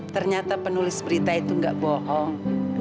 ternyata penulis berita itu nggak bohong